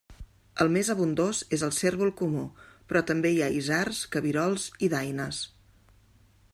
El més abundós és el cérvol comú, però també hi ha isards, cabirols i daines.